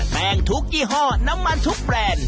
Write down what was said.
แป้งทุกยี่ห้อน้ำมันทุกแบรนด์